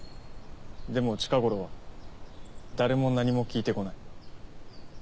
でも近頃は誰も何も聞いてこない。